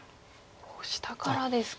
下からですか。